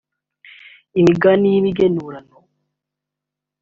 imigani y’imigenurano